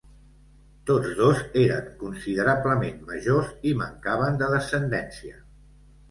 Tots dos eren considerablement majors i mancaven de descendència.